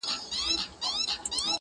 ستا سترگي فلسفې د سقراط راته وايي